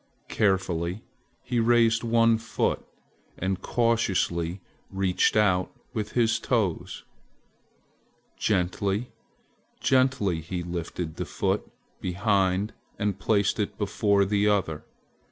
Carefully he raised one foot and cautiously reached out with his toes. Gently, gently he lifted the foot behind and placed it before the other.